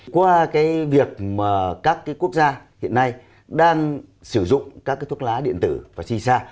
qua cái việc mà các cái quốc gia hiện nay đang sử dụng các cái thuốc lá điện tử và cisa